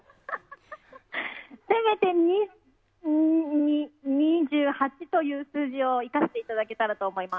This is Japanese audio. せめて２８という数字を生かしていただけたらと思います。